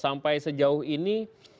sampai jauh ini